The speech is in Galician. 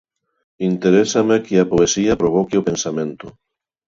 Interésame que a poesía provoque o pensamento.